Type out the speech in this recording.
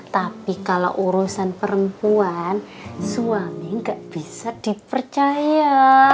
tapi kalau urusan perempuan suami gak bisa dipercaya